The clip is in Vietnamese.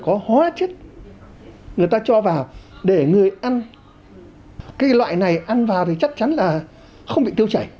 có hóa chất người ta cho vào để người ăn cái loại này ăn vào thì chắc chắn là không bị tiêu chảy